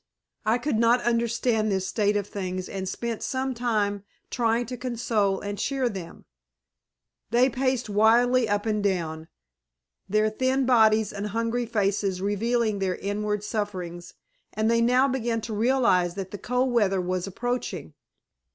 I could not understand this state of things and spent some time trying to console and cheer them. They paced wildly up and down, their thin bodies and hungry faces revealing their inward sufferings and they now began to realize that cold weather was approaching.